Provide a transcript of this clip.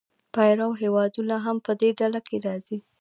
پیرو هېوادونه هم په دې ډله کې راځي.